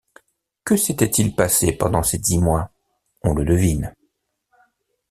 Que s’était-il passé pendant ces dix mois? on le devine.